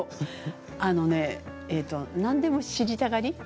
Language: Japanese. あのね、何でも知りたがり。